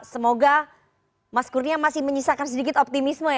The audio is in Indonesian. semoga mas kurnia masih menyisakan sedikit optimisme ya